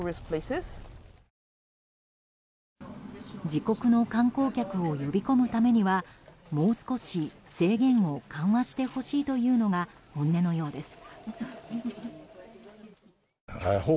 自国の観光客を呼び込むためにはもう少し制限を緩和してほしいというのが本音のようです。